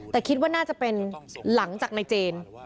แต่คิดว่าน่าจะเป็นหลังจากนายเจน